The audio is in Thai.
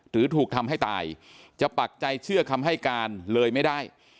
หรือถูกทำให้ตายจะปักใจเชื่อคำให้การเลยไม่ได้